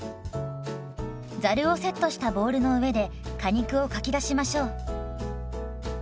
ざるをセットしたボウルの上で果肉をかき出しましょう。